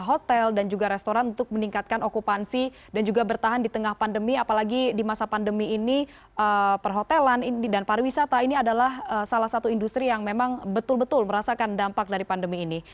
hotel dan juga restoran untuk meningkatkan okupansi dan juga bertahan di tengah pandemi apalagi di masa pandemi ini perhotelan dan pariwisata ini adalah salah satu industri yang memang betul betul merasakan dampak dari pandemi ini